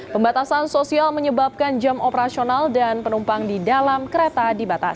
pembatasan sosial menyebabkan jam operasional dan penumpang di dalam kereta dibatasi